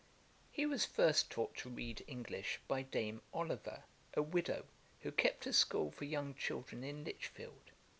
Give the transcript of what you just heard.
] He was first taught to read English by Dame Oliver, a widow, who kept a school for young children in Lichfield.